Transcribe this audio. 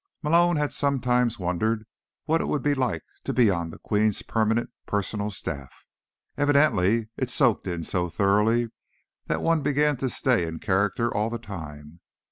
Malone had sometimes wondered what it would be like to be on the Queen's permanent, personal staff. Evidently, it soaked in so thoroughly that one began to stay in character all the time.